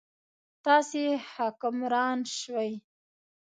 تاسې حکمران شوئ.